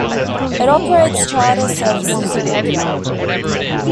It operates charter services in India.